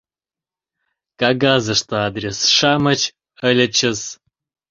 Кагазыште адрес-шамыч ыльычыс.